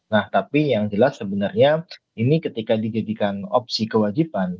nah tapi yang jelas sebenarnya ini ketika dijadikan opsi kewajiban